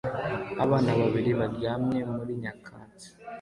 Abana babiri baryamye muri nyakatsi